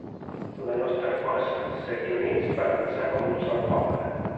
La nostra força, seguir units per avançar com un sol poble.